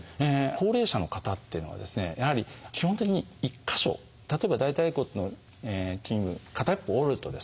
高齢者の方っていうのはですねやはり基本的に１か所例えば大腿骨の片一方を折るとですね